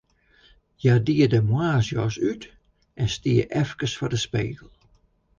Hja die de moarnsjas út en stie efkes foar de spegel.